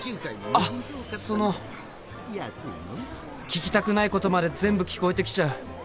聞きたくないことまで全部聞こえてきちゃう。